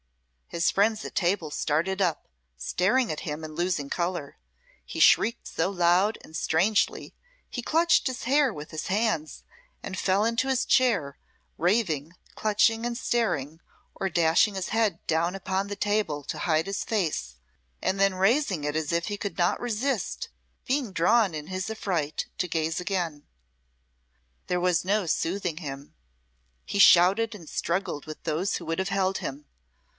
His friends at table started up, staring at him and losing colour; he shrieked so loud and strangely, he clutched his hair with his hands, and fell into his chair, raving, clutching, and staring, or dashing his head down upon the table to hide his face, and then raising it as if he could not resist being drawn in his affright to gaze again. There was no soothing him. He shouted, and struggled with those who would have held him.